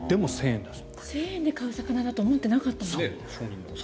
１０００円で買う魚だと思ってなかった。